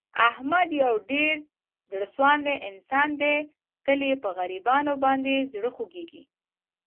احمد یو ډېر زړه سواندی انسان دی. تل یې په غریبانو باندې زړه خوګېږي.